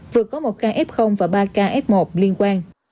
vừa có một ca f và ba ca f một liên quan